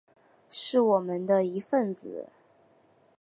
是我们的一分子